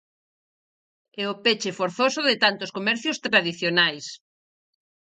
E o peche forzoso de tantos comercios tradicionais.